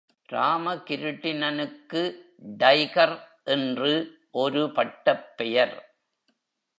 ராமகிருட்டிணனுக்கு tiger என்று ஒரு பட்டப்பெயர்.